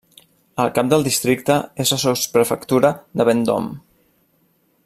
El cap del districte és la sotsprefectura de Vendôme.